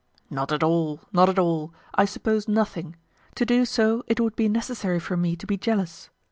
"Not at all, not at all I suppose nothing; to do so would be necessary for me to be jealous.